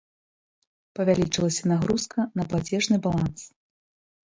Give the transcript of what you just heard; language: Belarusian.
Павялічылася нагрузка на плацежны баланс.